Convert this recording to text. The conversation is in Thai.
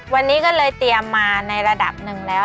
วันนี้ก็เลยเตรียมมาในระดับหนึ่งแล้ว